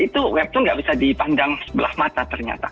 itu webtom nggak bisa dipandang sebelah mata ternyata